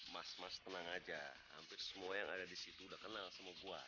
mas mas tenang aja hampir semua yang ada di situ udah kenal sama buah